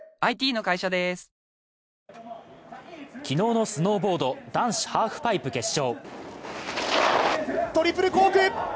昨日のスノーボード男子ハーフパイプ決勝。